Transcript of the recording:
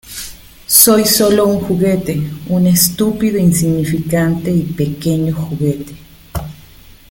Soy sólo un juguete. Un estúpido insignificante y pequeño juguete .